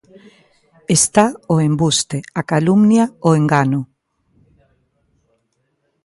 Está o embuste, a calumnia, o engano.